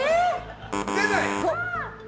出ない。